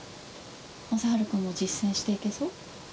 雅治君も実践していけそう？